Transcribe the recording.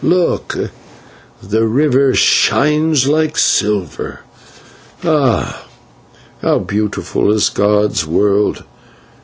Look, the river shines like silver. Ah! how beautiful is God's world!